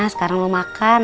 nah sekarang lo makan